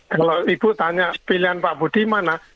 kalau ibu tanya pilihan pak budi mana